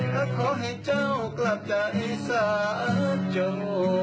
และขอให้เจ้ากลับใจสาโจ